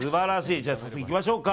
じゃあ早速いきましょう。